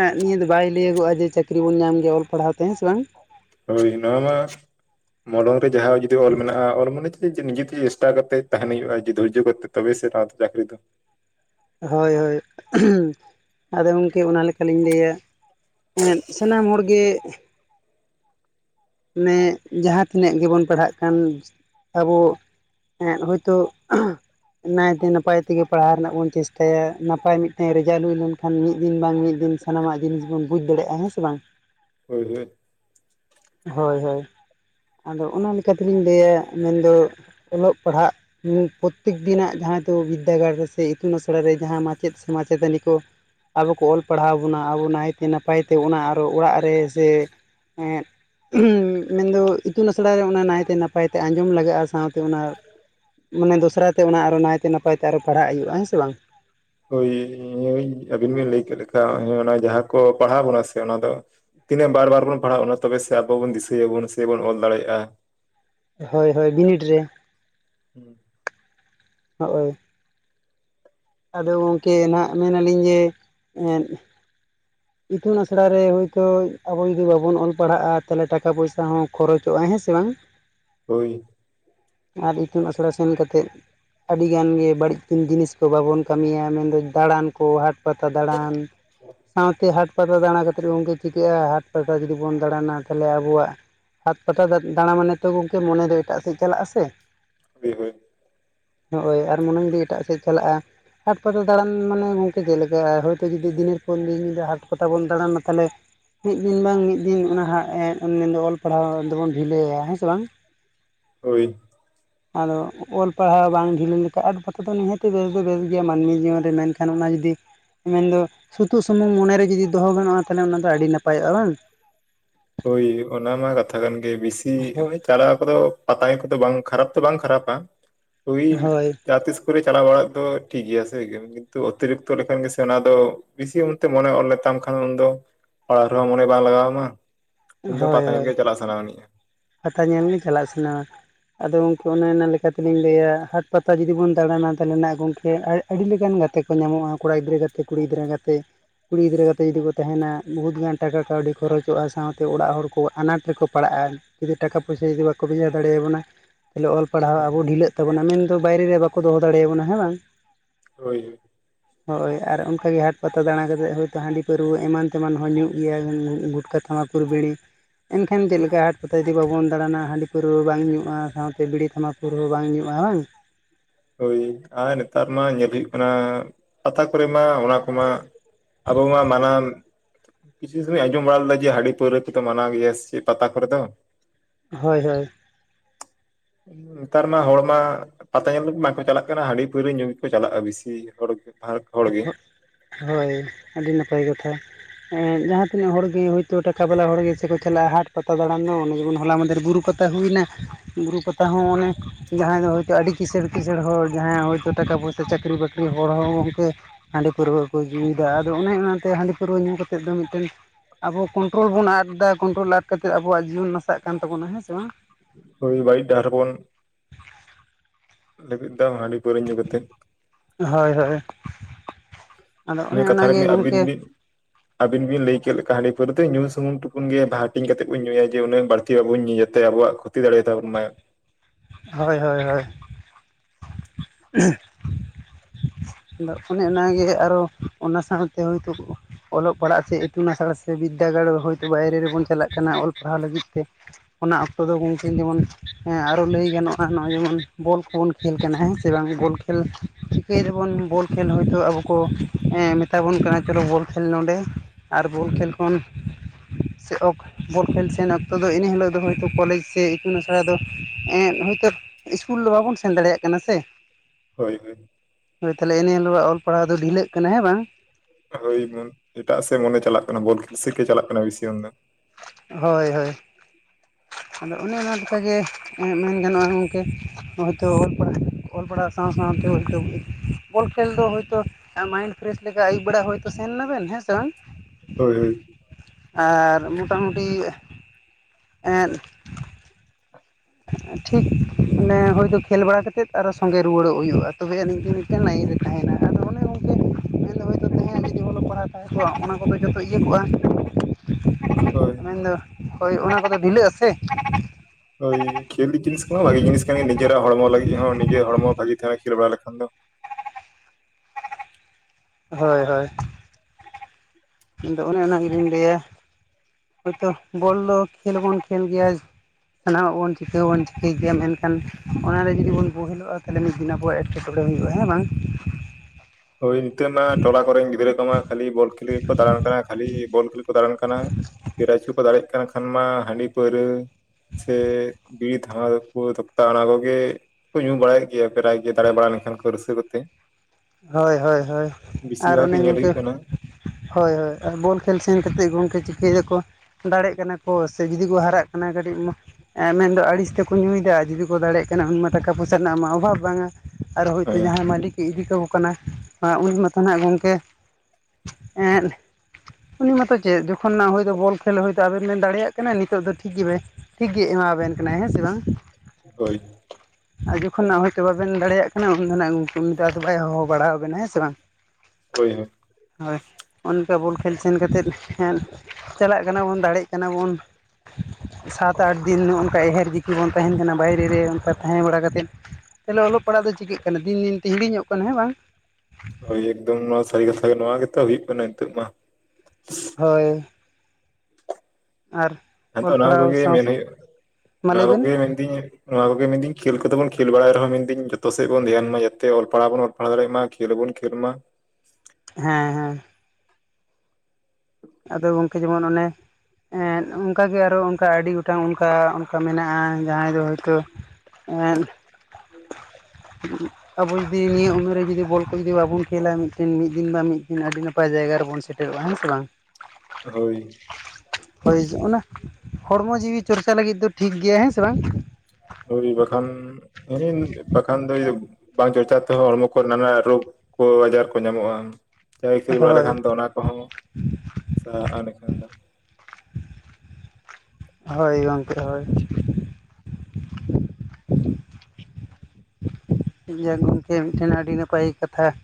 ᱮ ᱱᱤᱭᱟᱹ ᱫᱚ ᱵᱟᱭ ᱞᱟᱹᱭᱟᱹᱜᱚᱜ-ᱟ ᱡᱮ ᱪᱟᱹᱠᱨᱤ ᱵᱚᱱ ᱧᱟᱢ ᱜᱮᱭᱟ ᱚᱞ ᱯᱟᱲᱦᱟᱣ ᱛᱮ ᱦᱮᱸ ᱥᱮ ᱵᱟᱝ? ᱦᱳᱭ ᱱᱚᱣᱟ ᱢᱟ ᱢᱚᱞᱚᱝ ᱨᱮ ᱡᱟᱦᱟᱸ ᱡᱩᱫᱤ ᱚᱞ ᱢᱮᱱᱟᱜ-ᱟ᱾ ᱚᱞ ᱢᱟᱱᱮ ᱪᱮᱫ ᱱᱤᱡᱮ ᱛᱮ ᱪᱮᱥᱴᱟ ᱠᱟᱛᱮᱫ ᱛᱟᱦᱮᱱ ᱦᱩᱭᱩᱜ-ᱟ ᱡᱮ ᱫᱷᱳᱨᱡᱚ ᱠᱟᱛᱮᱫ᱾ ᱛᱚᱵᱮᱥᱮ ᱛᱟᱸᱫ ᱪᱟᱠᱨᱤ ᱫᱚ᱾ ᱦᱳᱭ ᱦᱳᱭ᱾ ᱟᱫᱚ ᱜᱚᱢᱠᱮ ᱚᱱᱟ ᱞᱮᱠᱟᱞᱤᱧ ᱞᱟᱹᱭᱟ ᱮᱸᱝ ᱥᱟᱱᱟᱢ ᱦᱚᱲ ᱜᱮ ᱢᱟᱱᱮ ᱡᱟᱦᱟᱸ ᱛᱤᱱᱟᱹᱜ ᱜᱮᱵᱚᱱ ᱯᱟᱲᱦᱟᱜ ᱠᱟᱱ ᱟᱵᱚ ᱮᱸᱫ ᱦᱳᱭᱛᱳ ᱱᱟᱭᱛᱮ ᱱᱟᱯᱟᱭ ᱛᱮᱜᱮ ᱯᱟᱲᱦᱟᱣ ᱨᱮᱱᱟᱜ ᱵᱚᱱ ᱪᱮᱥᱴᱟᱭᱟᱺ ᱱᱟᱯᱟᱭ ᱢᱤᱫᱴᱮᱱ ᱨᱮᱡᱟᱞ ᱦᱩᱭ ᱞᱮᱱᱠᱷᱟᱱ ᱢᱤᱫ ᱫᱤᱱ ᱵᱟᱝ ᱢᱤᱫ ᱫᱤᱱ ᱥᱟᱱᱟᱢᱟᱜ ᱡᱤᱱᱤᱥ ᱵᱚᱱ ᱵᱩᱡᱽ ᱫᱟᱲᱮᱭᱟᱜ-ᱟ ᱦᱮᱸ ᱥᱮ ᱵᱟᱝ᱾ ᱦᱳᱭ ᱦᱳᱭ᱾ ᱦᱳᱭ ᱦᱳᱭ ᱟᱫᱚ ᱚᱱᱟ ᱞᱮᱠᱟ ᱛᱮᱞᱤᱧ ᱞᱟᱹᱭᱟ ᱢᱮᱱᱫᱚ ᱚᱞᱚᱜ ᱯᱟᱲᱦᱟᱜ ᱯᱨᱚᱛᱮᱠ ᱫᱤᱱᱟᱜ ᱡᱟᱦᱟᱸᱭ ᱫᱚ ᱵᱤᱫᱽᱫᱟᱹᱜᱟᱲ ᱨᱮ ᱥᱮ ᱤᱛᱩᱱ ᱟᱥᱲᱟ ᱨᱮ ᱡᱟᱦᱟᱸ ᱢᱟᱪᱮᱫ ᱥᱮ ᱢᱟᱪᱮᱛᱟᱹᱱᱤ ᱠᱚ ᱟᱵᱚ ᱠᱚ ᱚᱞ ᱯᱟᱲᱦᱟᱣ ᱵᱚᱱᱟᱺ ᱟᱵᱚ ᱱᱟᱭᱛᱮ ᱱᱟᱯᱟᱭᱛᱮ ᱚᱱᱟ ᱟᱨᱚ ᱚᱲᱟᱜ ᱨᱮ ᱥᱮ ᱮᱸᱫ ᱢᱮᱱᱫᱚ ᱤᱛᱩᱱ ᱟᱥᱲᱟᱨᱮ ᱚᱱᱟ ᱱᱟᱭᱛᱮ ᱱᱟᱯᱟᱭ ᱛᱮ ᱟᱸᱡᱚᱢ ᱞᱟᱜᱟᱜ-ᱟ ᱥᱟᱶᱛᱮ ᱚᱱᱟ ᱢᱟᱱᱮ ᱫᱚᱥᱨᱟ ᱛᱮ ᱚᱱᱟ ᱟᱨᱚ ᱱᱟᱭᱛᱮ ᱱᱟᱯᱟᱭᱛᱮ ᱟᱨᱚ ᱯᱟᱲᱦᱟᱜ ᱦᱩᱭᱩᱜ-ᱟ ᱦᱮᱸ ᱥᱮ ᱵᱟᱝ᱾ ᱦᱳᱭ ᱟᱵᱤᱱ ᱵᱤᱱ ᱞᱟᱹᱭ ᱠᱮᱫ ᱞᱮᱠᱟ ᱚᱱᱟ ᱡᱟᱦᱟᱸ ᱠᱚ ᱯᱟᱲᱦᱟᱣ ᱵᱚᱱᱟ ᱥᱮ ᱚᱱᱟ ᱫᱚ ᱛᱤᱱᱟᱹᱜ ᱵᱟᱨ ᱵᱟᱨ ᱵᱚᱱ ᱯᱟᱲᱦᱟᱜ-ᱟ ᱟᱱᱟ ᱛᱚᱵᱮ ᱥᱮ ᱟᱵᱚ ᱵᱚᱱ ᱫᱤᱥᱟᱹᱭᱟᱵᱚᱱ ᱥᱮᱵᱚᱱ ᱚᱞ ᱫᱟᱲᱮᱭᱟᱜ-ᱟ᱾ ᱦᱳᱭ ᱦᱳᱭ ᱵᱤᱱᱤᱰ ᱨᱮ᱾ ᱦᱩᱸ᱾ ᱦᱚᱜ-ᱚᱭ᱾ ᱟᱫᱚ ᱜᱚᱢᱠᱮ ᱱᱟᱦᱟᱜ ᱢᱮᱱᱟᱞᱤᱧ ᱡᱮ ᱮᱸᱫ ᱤᱛᱩᱱ ᱟᱥᱲᱟ ᱨᱮ ᱦᱳᱭᱛᱳ ᱟᱵᱚ ᱡᱩᱫᱤ ᱵᱟᱵᱚᱱ ᱚᱞ ᱯᱟᱲᱦᱟᱜ-ᱟ ᱛᱟᱞᱦᱮᱮ ᱴᱟᱠᱟ ᱯᱚᱭᱥᱟ ᱦᱚᱸ ᱠᱷᱚᱨᱚᱪᱚᱜ-ᱟ ᱦᱮᱸ ᱥᱮ ᱵᱟᱝ᱾ [inaudible] ᱦᱳᱭ᱾ ᱟᱨ ᱤᱛᱩᱱ ᱟᱥᱲᱟ ᱥᱮᱱ ᱠᱟᱛᱮᱫ ᱟᱹᱰᱤᱜᱟᱱ ᱜᱮ ᱵᱟᱹᱲᱤᱡ ᱛᱮᱱ ᱡᱤᱱᱤᱥ ᱠᱚ ᱵᱟᱵᱚᱱ ᱠᱟᱹᱢᱤᱭᱟ ᱢᱮᱱᱫᱚ ᱫᱟᱬᱟᱱ ᱠᱚ ᱦᱟᱴ ᱯᱟᱛᱟ ᱫᱟᱬᱟᱱ [inaudible] ᱥᱟᱶᱛᱮ ᱦᱟᱴ ᱯᱟᱛᱟ ᱫᱟᱬᱟ ᱠᱟᱛᱮᱫ ᱜᱚᱝᱠᱮ ᱪᱤᱠᱟᱹᱜ-ᱟ ᱦᱟᱴ ᱯᱟᱛᱟ ᱡᱩᱫᱤ ᱵᱚᱱ ᱫᱟᱬᱟᱱᱟ ᱛᱟᱦᱮᱞᱮ ᱟᱵᱚᱣᱟᱜ ᱦᱟᱛ ᱯᱟᱛᱟ ᱫᱟᱫ ᱫᱟᱬᱟ ᱢᱟᱱᱮ ᱛᱚ ᱜᱚᱝᱠᱮ ᱢᱚᱱᱮ ᱫᱚ ᱮᱴᱟᱜ ᱥᱮᱫ ᱪᱟᱞᱟᱜ-ᱟ ᱥᱮ? ᱜᱮ ᱦᱮ, ᱦᱚᱸᱜᱼᱚᱭ ᱟᱨ ᱢᱚᱱᱮ ᱡᱩᱫᱤ ᱮᱴᱟᱜ ᱥᱮᱫ ᱪᱟᱞᱟᱜ-ᱟ, ᱦᱟᱴ ᱯᱟᱛᱟ ᱫᱟᱬᱟᱱ ᱢᱟᱱᱮ ᱜᱚᱝᱠᱮ ᱪᱮᱫ ᱞᱮᱠᱟᱜᱼᱟ, ᱦᱳᱭᱛᱳ ᱡᱩᱫᱤ ᱫᱤᱱ ᱯᱩᱱ ᱫᱤᱱ ᱜᱮ ᱦᱟᱴ ᱯᱟᱛᱟ ᱵᱚᱱ ᱫᱟᱬᱟᱱᱟ ᱛᱟᱦᱮᱞᱮ ᱢᱤᱫ ᱫᱤᱱ ᱵᱟᱝ ᱢᱤᱫ ᱫᱤᱱ ᱚᱱᱟ ᱦᱟᱸᱜ ᱮᱸ ᱩᱱ ᱫᱤᱱ ᱫᱚ ᱚᱞ ᱯᱟᱲᱦᱟᱣ ᱫᱚᱵᱚᱱ ᱰᱷᱤᱞᱟᱹᱭᱟ ᱦᱮᱸ ᱥᱮ ᱵᱟᱝ? [unintelligible] ᱦᱳᱭ᱾ [inaudible] ᱟᱫᱚ ᱚᱞ ᱯᱟᱲᱦᱟᱣ ᱵᱟᱝ ᱰᱷᱤᱞᱟᱹ ᱞᱮᱠᱟ ᱦᱟᱴ ᱯᱟᱛᱟ ᱫᱚ ᱱᱤᱦᱟᱹᱛᱤ ᱵᱮᱥ ᱫᱚ ᱵᱮᱥ ᱜᱮᱭᱟ ᱢᱟᱹᱱᱢᱤ ᱡᱤᱭᱚᱱ ᱨᱮ ᱢᱮᱱᱠᱷᱟᱱ ᱚᱱᱟ ᱡᱩᱫᱤ ᱢᱮᱱ ᱫᱚ ᱥᱩᱛᱩᱜ ᱥᱩᱢᱩᱝ ᱢᱚᱱᱮᱨᱮ ᱡᱩᱫᱤ ᱫᱚᱦᱚ ᱜᱟᱱᱚᱜ-ᱟ ᱛᱟᱦᱮᱞᱮ ᱚᱱᱟ ᱫᱚ ᱟᱹᱰᱤ ᱱᱟᱯᱟᱭᱚᱜ-ᱟ ᱵᱟᱝ᱾ ᱦᱳᱭ ᱚᱱᱟ ᱢᱟ ᱠᱟᱛᱷᱟ ᱠᱟᱱ ᱜᱮ ᱵᱮᱥᱤ ᱦᱳᱭ ᱢᱟᱱᱮ ᱪᱟᱞᱟᱣ ᱠᱚᱫᱚ ᱯᱟᱛᱟᱭ ᱠᱚᱫᱚ ᱵᱟᱝ ᱠᱷᱟᱨᱟᱯ ᱛᱚ ᱵᱟᱝ ᱠᱷᱟᱨᱟᱯᱼᱟ, ᱩᱣᱤᱱ ᱦᱳᱭ ᱡᱟᱦᱟᱸ ᱛᱤᱥ ᱠᱚᱨᱮ ᱪᱟᱞᱟᱣ ᱵᱟᱲᱟᱜ ᱫᱚ ᱴᱷᱤᱠ ᱜᱮᱭᱟ ᱥᱮ ᱜᱮᱢᱤᱱ ᱠᱤᱱᱛᱩ ᱚᱛᱤᱨᱤᱠᱛᱚ ᱞᱮᱠᱟᱱ ᱜᱮ ᱥᱮ ᱚᱱᱟ ᱫᱚ ᱵᱤᱥᱤ ᱚᱱᱛᱮ ᱢᱚᱱᱮ ᱚᱨ ᱞᱮᱛᱟᱢ ᱠᱷᱟᱱ ᱩᱱ ᱫᱚ ᱯᱟᱲᱦᱟᱣ ᱨᱮᱦᱚᱸ ᱢᱚᱱᱮ ᱵᱟᱝ ᱞᱟᱜᱟᱣ ᱢᱟ, ᱩᱱ ᱫᱚ ᱦᱳᱭ ᱯᱟᱛᱟ ᱧᱮᱞ ᱦᱳᱭ ᱜᱮ ᱪᱟᱞᱟᱜ ᱥᱟᱱᱟ ᱢᱟ ᱢᱤᱫ ᱜᱷᱟᱹᱲᱤ᱾ ᱯᱟᱛᱟ ᱧᱮᱞ ᱜᱮ ᱪᱟᱞᱟᱜ ᱥᱟᱱᱟᱦᱟ ᱾ ᱟᱫᱚ ᱜᱚᱢᱠᱮ ᱚᱱᱮ ᱚᱱᱟ ᱛᱮᱞᱤᱧ ᱞᱟᱹᱭᱼᱟ ᱦᱟᱴ ᱯᱟᱛᱟ ᱡᱩᱫᱤ ᱵᱚᱱ ᱫᱟᱬᱟᱱᱟ ᱛᱟᱦᱮᱞᱮ ᱱᱟᱜ ᱜᱚᱝᱠᱮ ᱟᱡ ᱟᱹᱰᱤ ᱞᱮᱠᱟᱱ ᱜᱟᱛᱮ ᱠᱚ ᱧᱟᱢᱚᱜ-ᱟ ᱠᱚᱲᱟ ᱜᱤᱫᱽᱨᱟᱹ ᱜᱟᱛᱮ ᱠᱩᱲᱤ ᱜᱤᱫᱽᱨᱟᱹ ᱜᱟᱛᱮ ᱠᱩᱲᱤ ᱜᱤᱫᱽᱨᱟᱹ ᱜᱟᱛᱮ ᱡᱩᱫᱤ ᱠᱚ ᱛᱟᱦᱮᱸᱱᱟ ᱵᱩᱦᱩᱛ ᱜᱟᱱ ᱴᱟᱠᱟ ᱠᱟᱹᱣᱰᱤ ᱠᱷᱚᱨᱚᱪᱚᱜ-ᱟ ᱥᱟᱶᱛᱮ ᱚᱲᱟᱜ ᱦᱚᱲ ᱠᱚ ᱟᱱᱟᱴ ᱨᱮᱠᱚ ᱯᱟᱲᱟᱜ-ᱟ, ᱡᱩᱫᱤ ᱴᱟᱠᱟ ᱯᱩᱭᱥᱟ ᱡᱩᱫᱤ ᱵᱟᱠᱚ ᱵᱷᱮᱡᱟ ᱫᱟᱲᱮᱭᱟᱵᱚᱱᱟ ᱛᱟᱦᱮᱞᱮ ᱚᱞ ᱯᱟᱲᱦᱟᱣ ᱟᱵᱚ ᱰᱷᱤᱞᱟᱹᱜ ᱛᱟᱵᱚᱱᱟ ᱢᱮᱱ ᱫᱚ ᱵᱟᱭᱨᱮ ᱨᱮ ᱵᱟᱠᱚ ᱫᱚᱦᱚ ᱫᱟᱲᱮᱭᱟᱵᱚᱱᱟ, ᱦᱮᱸ ᱵᱟᱝ? ᱦᱳᱭ ᱦᱳᱭ᱾ [inaudible] ᱦᱳᱭ ᱟᱨ ᱚᱱᱠᱟ ᱜᱮ ᱦᱟᱴ ᱯᱟᱛᱟ ᱫᱟᱬᱟ ᱠᱟᱛᱮᱜ ᱦᱳᱭ ᱛᱳ ᱦᱟᱺᱰᱤ ᱯᱟᱹᱨᱣᱟᱹ ᱮᱢᱟᱱ ᱛᱮᱢᱟᱱ ᱦᱚᱸ ᱧᱩᱜ ᱜᱮᱭᱟ, ᱜᱩᱱ ᱜᱩᱱ ᱜᱩᱴᱠᱷᱟ ᱛᱷᱟᱢᱟᱠ ᱠᱷᱩᱲ ᱵᱤᱲᱤ ᱮᱱᱠᱷᱟᱱ ᱪᱮᱫ ᱞᱮᱠᱟ, ᱟᱴ ᱡᱩᱫᱤ ᱵᱟᱵᱚᱱ ᱫᱟᱬᱟᱱᱟ ᱦᱟᱺᱰᱤ ᱯᱟᱹᱨᱣᱟᱹ ᱵᱟᱝ ᱧᱩᱜᱼᱟ ᱥᱟᱶᱛᱮ ᱵᱤᱬᱤ ᱛᱷᱟᱢᱟᱠᱷᱩᱲ ᱦᱚᱸ ᱵᱟᱝ ᱧᱩᱜᱼᱟ, ᱵᱟᱝ? ᱦᱳᱭ, ᱟᱨ ᱱᱮᱛᱟᱨ ᱢᱟ ᱧᱮᱞ ᱦᱩᱭᱩᱜ ᱠᱟᱱᱟ ᱯᱟᱛᱟ ᱠᱚᱨᱮ ᱢᱟ ᱚᱱᱟ ᱠᱚᱢᱟ ᱟᱵᱚ ᱢᱟ ᱢᱟᱱᱟᱱ ᱠᱤᱪᱷᱩ ᱥᱚᱢᱚᱭᱤᱧ ᱟᱸᱡᱚᱢ ᱵᱟᱲᱟ ᱞᱮᱫᱟ ᱡᱮ ᱦᱟᱺᱰᱤ ᱯᱟᱹᱣᱨᱟᱹ ᱪᱮᱛᱟ ᱢᱟᱱᱟ ᱜᱮᱭᱟ ᱥᱮ ᱪᱮᱜ ᱯᱟᱛᱟ ᱠᱚᱨᱮ ᱫᱚ᱾ ᱦᱳᱭ ᱦᱳᱭ ᱾ ᱱᱮᱛᱟᱨ ᱢᱟ ᱦᱚᱲ ᱢᱟ ᱯᱟᱛᱟ ᱧᱮᱞ ᱫᱚ ᱵᱟᱠᱚ ᱪᱟᱞᱟᱜ ᱠᱟᱱᱟ, ᱦᱟᱺᱰᱤ ᱯᱟᱹᱣᱨᱟᱹ ᱧᱩ ᱜᱮᱠᱚ ᱪᱟᱞᱟᱜᱼᱟ ᱵᱤᱥᱤ ᱦᱚᱲ ᱜᱮ ᱵᱷᱟᱜᱽ᱾ ᱦᱚᱲ ᱦᱚᱜ, ᱦᱳᱭ ᱟᱹᱰᱤ ᱱᱟᱯᱟᱭ ᱠᱟᱛᱷᱟ᱾ ᱮᱸ ᱡᱟᱦᱟᱸ ᱛᱤᱱᱟᱹᱜ ᱦᱚᱲ ᱜᱮ ᱦᱳᱭᱛᱳ ᱴᱟᱠᱟ ᱵᱟᱞᱟ ᱦᱚᱲ ᱜᱮ ᱥᱮ ᱠᱚ ᱪᱟᱞᱟᱜᱼᱟ ᱦᱟᱴ ᱯᱟᱛᱟ ᱫᱟᱬᱟᱱ ᱫᱚ, ᱚᱱᱮ ᱡᱮᱢᱚᱱ ᱦᱚᱞᱟ ᱢᱟᱸᱫᱷᱮᱨ ᱵᱩᱨᱩ ᱯᱟ ᱛᱟ ᱦᱩᱭ ᱮᱱᱟ᱾ ᱵᱩᱨᱩ ᱯᱟᱛᱟ ᱦᱚᱸ ᱚᱱᱮ ᱡᱟᱦᱟᱸᱭ ᱫᱚ ᱦᱳᱭᱛᱳ ᱟᱹᱰᱤ ᱠᱤᱥᱟᱹᱬ ᱠᱤᱥᱟᱹᱬ ᱦᱚᱲ ᱡᱟᱦᱟᱸᱭ ᱦᱳᱭᱛᱳ ᱴᱟᱠᱟ ᱯᱚᱭᱥᱟᱹ ᱪᱟᱹᱠᱨᱤ ᱵᱟᱹᱠ ᱨᱤ ᱦᱚᱲ ᱦᱚᱸ ᱜᱚᱝᱠᱮ ᱦᱟᱺᱰᱤ ᱯᱟᱹᱨᱣᱟᱹ ᱠᱚ ᱧᱩ ᱭᱮᱫᱟ, ᱟᱫᱚ ᱚᱱᱮ ᱚᱱᱟᱛᱮ ᱦᱟᱺᱰᱤ ᱯᱟᱹᱨᱣᱟᱹ ᱧᱩ ᱠᱟᱛᱮᱫ ᱫᱚ ᱢᱤᱫᱴᱟᱹᱱ ᱟᱵᱚ ᱠᱚᱱᱴᱨᱳᱞ ᱵᱚᱱ ᱟᱫ ᱮᱫᱟ, ᱠᱚᱱᱴᱨᱳᱞ ᱟᱫ ᱠᱟᱛᱮᱫ ᱟᱵᱚᱣᱟᱜ ᱡᱤᱭᱚᱱ ᱱᱟᱥᱟᱜ ᱠᱟᱱ ᱛᱟᱵᱚᱱᱟ, ᱦᱮᱸ ᱥᱮ ᱵᱟᱝ? ᱦᱳᱭ ᱵᱟᱹᱲᱤᱡ ᱰᱟᱦᱟᱨ ᱵᱚᱱ ᱞᱟᱹᱜᱤᱫ ᱫᱟᱢ ᱦᱟᱺᱰᱤ ᱯᱟᱹᱣᱨᱟᱹ ᱧᱩ ᱠᱟᱛᱮᱫ ᱦᱳᱭ, ᱦᱳᱭ, ᱟᱫᱚ ᱚᱱᱮ ᱠᱟᱛᱷᱟ ᱨᱮᱜᱮ ᱚᱱᱟᱜᱮ ᱟᱹᱵᱤᱱ ᱜᱚᱝᱠᱮ ᱵᱤᱱ ᱟᱹᱵᱤᱱ ᱵᱤᱱ ᱞᱟᱹᱭ ᱠᱮᱫ ᱞᱮᱠᱟ ᱦᱟᱺᱰᱤ ᱯᱟᱹᱣᱟᱹ ᱫᱚ ᱧᱩ ᱥᱩᱢᱩᱱ ᱴᱩᱠᱩᱱ ᱜᱮ ᱵᱷᱟᱠ ᱦᱟᱹᱴᱤᱧ ᱠᱟᱛᱮᱫ ᱵᱚᱱ ᱧᱩᱭᱟ ᱡᱮ ᱩᱱᱟᱹᱜ ᱵᱟᱹᱲᱛᱤ ᱵᱟᱵᱚᱱ ᱧᱩᱭᱟ ᱡᱟᱛᱮ ᱟᱵᱚᱣᱟᱜ ᱛᱤ ᱫᱟᱲᱮᱭᱟᱛᱟᱵᱚᱱᱟᱭ ᱾ ᱦᱳᱭ ᱦᱳᱭ ᱦᱳᱭ᱾ ᱟᱫᱚ ᱚᱱᱮ ᱚᱱᱟᱜᱮ ᱟᱨᱚ ᱚᱱᱟ ᱥᱟᱶᱛᱮ ᱦᱳᱭᱛᱳ ᱚᱞᱚᱜ ᱯᱟᱲᱦᱟᱜ ᱥᱮ ᱤᱛᱩᱱ ᱟᱥᱲᱟ ᱥᱮ ᱵᱤᱫᱽᱫᱟᱹᱜᱟᱲ ᱦᱳᱭᱛᱳ ᱵᱟᱭᱨᱮ ᱨᱮᱵᱚᱱ ᱪᱟᱞᱟᱜ ᱠᱟᱱᱟ ᱚᱞ ᱯᱟᱲᱦᱟᱣ ᱞᱟᱹᱜᱤᱫ ᱛᱮ, ᱚᱱᱟ ᱚᱠᱛᱚ ᱫᱚ ᱜᱚᱝᱠᱮᱧ ᱡᱮᱢᱚᱱ ᱦᱮᱸ ᱟᱨᱚ ᱞᱟᱹᱭ ᱜᱟᱱᱚᱜᱼᱟ ᱱᱚᱜᱼᱚᱭ ᱡᱮᱢᱚᱱ ᱵᱚᱞ ᱠᱚᱵᱚᱱ ᱠᱷᱮᱞ ᱠᱟᱱᱟ ᱦᱮᱸ ᱥᱮ ᱵᱟᱝ! ᱵᱚᱞ ᱠᱷᱮᱞ ᱪᱤᱠᱟᱹᱭ ᱫᱟᱵᱚᱱ ᱵᱚᱞ ᱠᱷᱮᱞ ᱦᱚᱭᱛᱚ ᱟᱵᱚ ᱠᱚ ᱮᱸ ᱢᱮᱛᱟ ᱵᱚᱱ ᱠᱟᱱᱟ ᱪᱚᱞᱚ ᱵᱚᱞ ᱠᱷᱮᱞ ᱱᱚᱸᱰᱮ ᱾ ᱟᱨ ᱵᱚᱞ ᱠᱷᱮᱞ ᱠᱷᱚᱱ ᱥᱮ ᱚᱠ ᱵᱚᱞ ᱠᱷᱮᱞ ᱥᱮᱱ ᱚᱠᱛᱚ ᱫᱚ ᱤᱱᱟᱹ ᱦᱤᱞᱳᱜ ᱫᱚ ᱦᱚᱭᱛᱚ ᱫᱚ ᱠᱚᱞᱮᱡᱽ ᱥᱮ ᱤᱛᱩᱱ ᱟᱥᱲᱟ ᱫᱚ ᱮᱫ ᱦᱚᱭᱛᱚ ᱤᱥᱠᱩᱞ ᱫᱚ ᱵᱟᱵᱚᱱ ᱥᱮᱱ ᱫᱟᱲᱮᱭᱟᱜ ᱠᱟᱱᱟ ᱥᱮ ᱾ ᱦᱳᱭ ᱦᱳᱭ᱾ ᱛᱟᱦᱚᱞᱮ ᱮᱱᱮᱦᱤᱞᱳᱜᱼᱟᱜ ᱚᱞ ᱯᱟᱲᱦᱟᱣ ᱫᱚ ᱰᱷᱤᱞᱟᱹᱜ ᱠᱟᱱᱟ ᱦᱮᱸ ᱵᱟᱝ ᱾ ᱦᱳᱭ ᱦᱳᱭ ᱮᱴᱟᱜ ᱥᱮᱫ ᱢᱚᱱᱮ ᱪᱟᱞᱟᱜ ᱠᱟᱱᱟ ᱵᱚᱞ ᱠᱷᱮᱞ ᱥᱮᱫ ᱜᱮ ᱪᱟᱞᱟᱜ ᱠᱟᱱᱟ ᱵᱮᱥᱤ ᱩᱱᱫᱚ ᱾ ᱦᱳᱭ, ᱦᱳᱭ ᱾ ᱟᱫᱚ ᱚᱱᱮ ᱚᱱᱟ ᱞᱮᱠᱟ ᱜᱮ ᱮᱸᱫ ᱢᱮᱱ ᱜᱟᱱᱚᱜᱼᱟ ᱜᱚᱝᱠᱮ ᱦᱚᱭᱛᱚ ᱚᱞ ᱯᱟᱲᱦᱟ ᱚᱞ ᱯᱟᱲᱦᱟᱜ ᱥᱟᱶ ᱥᱟᱶᱛᱮ ᱦᱚᱭᱛᱚ ᱵᱚᱞ ᱠᱷᱮᱞ ᱫᱚ ᱦᱚᱭᱛᱚ ᱢᱟᱭᱤᱱᱰ ᱯᱷᱨᱮᱥ ᱞᱮᱠᱟ ᱟᱹᱭᱩᱵ ᱵᱮᱲᱟ ᱦᱚᱭᱛᱚ ᱥᱮᱱ ᱱᱟᱵᱮᱱ ᱦᱮᱸᱥᱮ ᱵᱟᱝ! ᱦᱳᱭ, ᱦᱳᱭ᱾ ᱟᱨᱻ ᱢᱚᱴᱟᱢᱩᱴᱤ ᱮᱸᱫ ᱴᱷᱤᱠ ᱢᱟᱱᱮ ᱦᱚᱭᱛᱳ ᱠᱷᱮᱞ ᱵᱟᱲᱟ ᱠᱟᱛᱮᱫ ᱟᱨᱚ ᱥᱚᱸᱜᱮ ᱨᱩᱣᱟᱹᱲᱚᱜ ᱦᱩᱭᱩᱜᱼᱟ, ᱛᱚᱵᱮ ᱟᱹᱱᱤᱡ ᱜᱮ ᱞᱟᱹᱭᱤᱱ ᱨᱮ ᱛᱟᱦᱮᱱᱟ, ᱟᱫᱚ ᱚᱱᱮ ᱜᱚᱝᱠᱮ ᱦᱚᱭᱛᱚ ᱛᱟᱦᱮᱸ ᱡᱩᱫᱤ ᱚᱞᱚᱜ ᱯᱟᱲᱦᱟᱣ ᱛᱟᱦᱮᱸ ᱠᱚᱜᱼᱟ ᱚᱱᱟ ᱠᱚᱫᱚ ᱡᱚᱛᱚ ᱤᱭᱟᱹ ᱠᱚᱜᱼᱟ ᱾ ᱦᱳᱭ ᱾ ᱢᱮᱱᱫᱚ ᱦᱳᱭ ᱚᱱᱟ ᱠᱚᱫᱚ ᱵᱷᱤᱞᱟᱹᱜᱼᱟ ᱥᱮ ᱾ ᱦᱳᱭ ᱠᱷᱮᱞ ᱡᱤᱱᱤᱥ ᱠᱟᱱᱟ ᱵᱷᱟᱜᱮ ᱡᱤᱱᱤᱥ ᱠᱟᱱ ᱜᱮᱭᱟ ᱱᱤᱡᱮᱨᱟᱜ ᱦᱚᱲᱢᱚ ᱞᱟᱹᱜᱤᱫ ᱦᱚᱸ ᱱᱤᱡᱮᱨ ᱦᱚᱲᱢᱚ ᱵᱷᱟᱜᱤ ᱛᱟᱦᱮᱱᱟ ᱠᱷᱮᱞ ᱵᱟᱲᱟ ᱞᱮᱠᱷᱟᱱ ᱫᱚ ᱾ ᱦᱳᱭ, ᱦᱳᱭ ᱾ ᱟᱫᱚ ᱚᱱᱮ ᱚᱱᱟ ᱜᱮᱞᱤᱧ ᱞᱟᱹᱭᱟ ᱦᱳᱭᱛᱳ ᱵᱚᱞ ᱫᱚ ᱠᱷᱮᱞ ᱦᱚᱸᱵᱚᱱ ᱠᱷᱮᱞ ᱜᱮᱭᱟ, ᱥᱟᱱᱟᱢᱟᱜ ᱵᱚᱱ ᱪᱤᱠᱟᱹ ᱦᱚᱸᱵᱚᱱ ᱪᱤᱠᱟᱹᱭ ᱜᱮᱭᱟ ᱢᱮᱱᱠᱷᱟᱱ ᱚᱱᱟᱨᱮ ᱡᱩᱫᱤ ᱵᱚᱱ ᱵᱳᱦᱮᱞᱚᱜᱼᱟ, ᱛᱟᱦᱚᱞᱮ ᱢᱤᱫ ᱫᱤᱱ ᱟᱵᱚᱣᱟᱜ ᱮᱴ ᱮᱴᱠᱮᱴᱚᱬᱮ ᱦᱩᱭᱩᱜᱼᱟ ᱦᱮᱸ ᱵᱟᱝ? ᱦᱳᱭ ᱱᱤᱛᱳᱜ ᱱᱟ ᱴᱚᱞᱟ ᱠᱚᱨᱮᱱ ᱜᱤᱫᱽᱨᱟᱹ ᱠᱚᱢᱟ ᱠᱷᱟᱹᱞᱤ ᱵᱚᱞ ᱠᱷᱮᱞ ᱜᱮᱠᱚ ᱫᱟᱬᱟᱱ ᱠᱟᱱᱟ ᱠᱷᱟᱹᱞᱤ ᱵᱚᱞ ᱠᱷᱮᱞ ᱫᱟᱬᱟᱱ ᱠᱟᱱᱟ, ᱯᱨᱟᱭᱤᱡᱽ ᱠᱚᱠᱚ ᱫᱟᱲᱮᱭᱟᱜ ᱠᱟᱱ ᱠᱷᱟᱱ ᱢᱟ ᱦᱟᱺᱰᱤ ᱯᱟᱹᱣᱨᱟᱹ ᱥᱮ ᱵᱤᱲᱤ ᱛᱷᱟᱢᱟ ᱠᱩᱨ ᱫᱚᱠᱛᱟ ᱚᱱᱟ ᱠᱚ ᱜᱮ ᱠᱚ ᱧᱩ ᱵᱟᱲᱟᱭᱮᱜ ᱜᱮᱭᱟ ᱯᱨᱟᱭ ᱜᱮ ᱫᱟᱲᱮ ᱵᱟᱲᱟ ᱞᱮᱱᱠᱷᱟᱱ ᱠᱚ ᱨᱟᱹᱥᱟᱹ ᱠᱟᱛᱮ ᱾ ᱦᱳᱭ ᱦᱳᱭ ᱦᱳᱭ ᱵᱮᱥᱤᱨ ᱟᱨ ᱵᱷᱟᱜᱽ ᱜᱮ ᱚᱱᱮ ᱧᱮᱞ ᱧᱩᱫᱟᱹ ᱦᱩᱭᱩᱜ ᱠᱟᱱᱟ ᱦᱳᱭ ᱦᱳᱭ ᱟᱨ ᱵᱚᱞ ᱠᱷᱮᱞ ᱥᱮᱱ ᱠᱟᱛᱮᱫ ᱜᱚᱝᱠᱮ ᱪᱤᱠᱟᱹᱭ ᱫᱟᱠᱚ? ᱫᱟᱲᱮᱜ ᱠᱟᱱᱟ ᱠᱚ ᱥᱮ ᱡᱩᱫᱤ ᱠᱚ ᱦᱟᱨᱟᱜ ᱠᱟᱱᱟ ᱠᱟᱹᱴᱤᱡ ᱢᱟ ᱮᱸ ᱢᱮᱱᱫᱚ ᱟᱹᱲᱤᱥ ᱛᱮᱠᱚ ᱧᱩᱭᱮᱫᱟ, ᱟᱨ ᱡᱩᱫᱤ ᱠᱚ ᱫᱟᱲᱮᱜ ᱠᱟᱱᱟ ᱩᱱᱢᱟ ᱴᱟᱠᱟ ᱯᱚᱭᱥᱟ ᱨᱮᱱᱟᱜ ᱢᱟ ᱚᱵᱷᱟᱵᱽ ᱵᱟᱝᱟ ᱾ ᱟᱨ ᱦᱳᱭᱛᱳ ᱦᱮᱸ ᱡᱟᱦᱟᱸᱭ ᱢᱟᱹᱞᱤᱠᱮ ᱤᱫᱤ ᱠᱟᱠᱚ ᱠᱟᱱᱟ ᱩᱱᱤ ᱢᱟᱛᱚ ᱱᱟᱦᱟᱜ ᱜᱚᱝᱠᱮ ᱮᱸᱫ ᱩᱱᱤ ᱢᱟᱛᱚ ᱪᱮᱫ ᱡᱚᱠᱷᱚᱱ ᱱᱟᱜ ᱵᱚᱞ ᱠᱷᱮᱞ ᱦᱳᱭᱛᱳ ᱟᱵᱮᱱ ᱵᱮᱱ ᱫᱟᱲᱮᱭᱟᱜ ᱠᱟᱱᱟ ᱱᱤᱛᱳᱜ ᱫᱚ ᱴᱷᱤᱠ ᱜᱮᱵᱮ ᱴᱷᱤᱠᱜᱮ ᱮᱢᱟᱣ ᱵᱮᱱ ᱠᱟᱱᱟᱭ ᱦᱮᱸ ᱥᱮ ᱵᱟᱝ? ᱦᱳᱭ ᱾ ᱟᱨ ᱡᱚᱠᱷᱚᱱ ᱱᱟᱜ ᱦᱳᱭᱛᱚ ᱵᱟᱵᱮᱱ ᱫᱟᱲᱮᱭᱟᱜ ᱠᱟᱱᱟ ᱩᱱ ᱫᱚ ᱱᱟᱜ ᱩᱱᱤ ᱫᱚ ᱵᱟᱭ ᱦᱚᱦᱚ [inaudible] ᱵᱮᱱᱟᱭ ᱦᱮᱸ ᱥᱮ ᱵᱟᱝ? ᱦᱳᱭ ᱦᱳᱭ ᱾ ᱦᱳᱭ ᱚᱱᱠᱟ ᱵᱚᱞ ᱠᱷᱮᱞ ᱥᱮᱱ ᱠᱟᱛᱮᱫ ᱮᱱ ᱪᱟᱞᱟᱜ ᱠᱟᱱᱟ ᱵᱚᱱ ᱫᱟᱲᱮᱜ ᱠᱟᱱᱟ ᱵᱚᱱ ᱾ ᱥᱟᱣᱛᱮ ᱟᱹᱰᱤ ᱫᱤᱱ ᱚᱱᱠᱟ ᱮᱦᱮᱨ ᱡᱤᱠᱤ ᱵᱚᱱ ᱛᱟᱦᱮᱱ ᱠᱟᱱᱟ ᱵᱟᱭᱨᱮ ᱨᱮ ᱚᱱᱠᱟ ᱛᱟᱦᱮᱸ ᱵᱟᱲᱟ ᱠᱟᱛᱮᱫ ᱛᱟᱦᱚᱞᱮ ᱚᱞᱚᱜ ᱯᱟᱲᱦᱟᱜ ᱫᱚ ᱪᱤᱠᱟᱹᱜ ᱠᱟᱱᱟ ᱫᱤᱱ ᱫᱤᱱ ᱛᱮ ᱦᱤᱲᱤᱧᱚᱜ ᱠᱟᱱᱟ ᱦᱮᱸ ᱵᱟᱝ ᱾ ᱦᱳᱭ ᱮᱠᱫᱚᱢ ᱱᱚᱣᱟ ᱥᱟᱹᱨᱤ ᱠᱟᱛᱷᱟ ᱜᱮ ᱱᱚᱣᱟ ᱜᱮᱛᱚ ᱦᱩᱭᱩᱜ ᱠᱟᱱᱟ ᱱᱤᱛᱳᱜ ᱢᱟ ᱾ ᱦᱳᱭ ᱾ ᱟᱨ ᱟᱫᱚ ᱚᱞ ᱚᱱᱟ ᱯᱟᱲᱦᱟᱣ ᱠᱚᱜᱮ ᱥᱟᱶ ᱢᱮᱱ ᱦᱩᱭᱩᱜ ᱢᱟ ᱚᱱᱟ ᱞᱟᱹᱭ ᱵᱮᱱ ᱠᱚᱜᱮ ᱢᱮᱱ ᱫᱤᱧ ᱱᱚᱣᱟ ᱠᱚᱜᱮ ᱢᱮᱱᱫᱟᱹᱧ ᱠᱷᱮᱞ ᱠᱚᱫᱚ ᱵᱚᱱ ᱠᱷᱮᱞ ᱵᱟᱲᱟᱭ ᱨᱮᱦᱚᱸ ᱢᱮᱱᱫᱟᱹᱧ ᱡᱚᱛᱚ ᱥᱮᱫ ᱵᱚᱱ ᱫᱷᱮᱭᱟᱱ ᱢᱟ ᱡᱟᱛᱮ ᱚᱞ ᱯᱟᱲᱦᱟᱣ ᱵᱚᱱ ᱯᱟᱲᱦᱟᱣ ᱫᱟᱲᱮᱭᱟᱜ ᱢᱟ ᱠᱷᱮᱹᱞ ᱦᱚᱸ ᱵᱚᱱ ᱠᱷᱮᱞ ᱢᱟ ᱾ ᱦᱮᱸ ᱦᱮᱸ ᱾ ᱟᱫᱚ ᱜᱚᱝᱠᱮ ᱡᱮᱢᱚᱱ ᱚᱱᱮ ᱮᱫ ᱚᱱᱠᱟᱜᱮ ᱟᱨᱚ ᱚᱱᱠᱟ ᱟᱹᱰᱤ ᱜᱚᱴᱟᱝ ᱚᱱᱠᱟ ᱚᱱᱠᱟ ᱢᱮᱱᱟᱜ-ᱟ ᱡᱟᱦᱟᱸᱭ ᱫᱚ ᱦᱚᱭᱛᱚ [unintelligible] ᱟᱵᱚ ᱡᱩᱫᱤ ᱱᱤᱭᱟᱹ ᱩᱢᱮᱨ ᱨᱮ ᱡᱩᱫᱤ ᱵᱚᱞ ᱠᱚ ᱡᱩᱫᱤ ᱵᱟᱵᱚᱱ ᱠᱷᱮᱞᱟ ᱢᱤᱫᱴᱮᱱ ᱢᱤᱫ ᱫᱤᱱ ᱵᱟᱝ ᱢᱤᱫ ᱫᱤᱱ ᱟᱹᱰᱤ ᱱᱟᱯᱟᱭ ᱡᱟᱭᱜᱟ ᱨᱮᱵᱚᱱ ᱥᱮᱴ ᱥᱮᱴᱮᱨᱚᱜ-ᱟ ᱦᱮᱸ ᱥᱮ ᱵᱟᱝ? ᱦᱳᱭ ᱾ ᱦᱳᱭ ᱚᱱᱟ ᱦᱚᱲᱢᱚ ᱡᱤᱣᱤ ᱪᱚᱨᱪᱟ ᱞᱟᱹᱜᱤᱫ ᱫᱚ ᱴᱷᱤᱠ ᱜᱮᱭᱟ ᱦᱮᱸ ᱥᱮ ᱵᱟᱝ? ᱦᱳᱭ ᱵᱟᱠᱷᱟᱱ [unintelligible] ᱵᱟᱠᱷᱟᱱ ᱫᱚ ᱤᱭᱟᱹ ᱵᱟᱝ ᱪᱚᱨᱪᱟ ᱛᱮᱦᱚᱸ ᱦᱚᱲᱢᱚ ᱠᱚ ᱨᱮᱱᱟᱜ ᱱᱟᱱᱟ ᱨᱳᱜᱽ ᱠᱚ ᱟᱡᱟᱨ ᱠᱚ ᱧᱟᱢᱚᱜ-ᱟ ᱾ ᱡᱟᱜᱮ ᱠᱷᱮᱞ ᱵᱟᱲᱟ ᱦᱳᱭ ᱞᱮᱠᱷᱟᱱ ᱫᱚ ᱚᱱᱟ ᱠᱚᱦᱚᱸ ᱥᱟᱦᱟ-ᱟ ᱮᱸᱰᱮ ᱠᱷᱟᱱ ᱫᱚ, ᱦᱳᱭ ᱜᱚᱝᱠᱮ ᱦᱳᱭ ᱾ [unintelligible] ᱤᱭᱟᱹ ᱜᱚᱢᱠᱮ ᱢᱤᱫᱴᱮᱱ ᱟᱹᱰᱤ ᱱᱟᱯᱟᱭ ᱠᱟᱛᱷᱟ ᱾